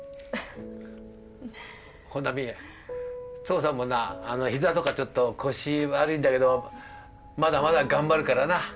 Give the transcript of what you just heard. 穂波父さんもなあの膝とかちょっと腰悪いんだけどまだまだ頑張るからな。